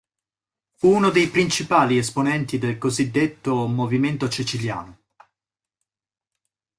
Fu uno dei principali esponenti del cosiddetto Movimento Ceciliano.